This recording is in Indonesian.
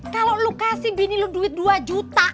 kalau lu kasih bini lu duit dua